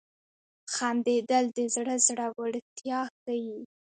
• خندېدل د زړه زړورتیا ښيي.